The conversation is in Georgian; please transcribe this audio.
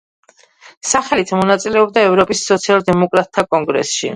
სახელით, მონაწილეობდა ევროპის სოციალ–დემოკრატთა კონგრესში.